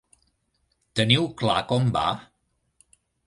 Teniu clar com va?